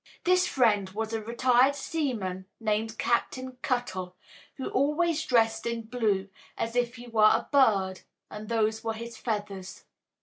This friend was a retired seaman named Captain Cuttle, who always dressed in blue, as if he were a bird and those were his feathers.